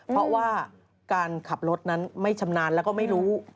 เพราะว่าการขับรถนั้นไม่ชำนาญแล้วก็ไม่รู้